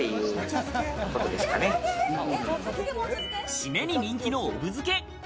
締めに人気のおぶ漬。